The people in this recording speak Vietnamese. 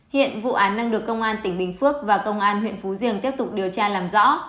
hiện vụ án đang được công an tỉnh bình phước và công an huyện phú diềng tiếp tục điều tra làm rõ